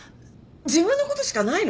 自分のことしかないの？